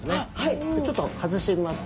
ちょっと外してみます。